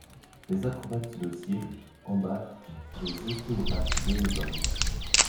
Les acrobates de cirque embarquent des ostéopathes bénévoles.